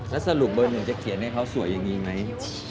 แล้วสรุปเบอร์หนึ่งจะเขียนให้เขาสวยอย่างนี้ไหม